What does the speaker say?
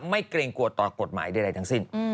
ไม่เกรงกลัวต่อกฎหมายได้อะไรทั้งสิ้น